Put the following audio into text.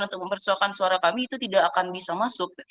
untuk mempersoalkan suara kami itu tidak akan bisa masuk